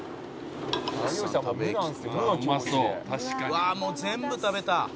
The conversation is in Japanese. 「うわっもう全部食べた」